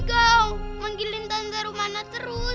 kau mangilin tante romana terus